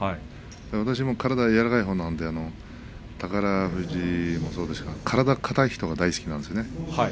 私も体が柔らかいほうなので宝富士もそうですけれど体が硬い人は大好きなんですね。